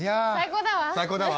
最高だわ！